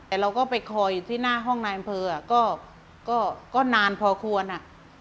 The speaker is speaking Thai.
แต่เราก็ไปคอยอยู่ที่หน้าห้องนายอำเภอก็นานพอควรอ่ะ